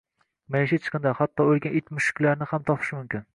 Maishiy chiqindilar, hatto oʻlgan it-mushuklarni ham topish mumkin.